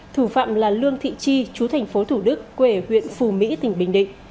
thủ phạm là lương thị chi chú thành phố thủ đức quê huyện phù mỹ tỉnh bình định